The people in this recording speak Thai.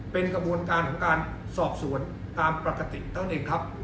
เป็นกระบวนการของการสอบสวนตามปกตินั่นเองครับ